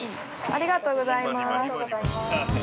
◆ありがとうございます。